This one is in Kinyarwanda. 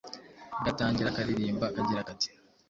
gatangira karirimba kagira kati